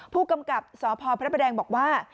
ผู้กำกับสพพระแบรงบอกว่า